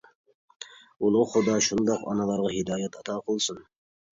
ئۇلۇغ خۇدا شۇنداق ئانىلارغا ھىدايەت ئاتا قىلسۇن!